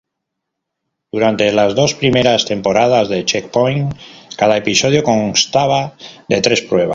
Durante las dos primeras temporadas de Checkpoint, cada episodio constaba de tres pruebas.